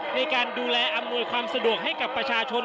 ในการดูแลอำนวยความสะดวกให้กับประชาชน